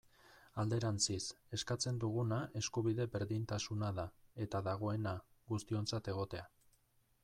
Alderantziz, eskatzen duguna eskubide berdintasuna da, eta dagoena, guztiontzat egotea.